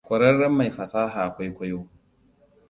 Ƙwararren mai fasaha, kwaikwayo.